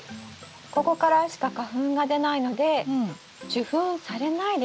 ここからしか花粉が出ないので受粉されないですね。